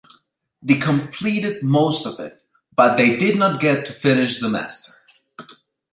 The completed most of it, but they did not get to finish the master.